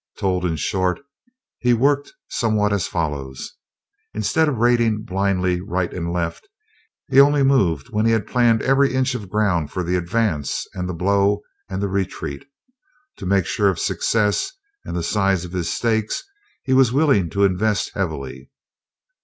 Told in short, he worked somewhat as follows: Instead of raiding blindly right and left, he only moved when he had planned every inch of ground for the advance and the blow and the retreat. To make sure of success and the size of his stakes he was willing to invest heavily.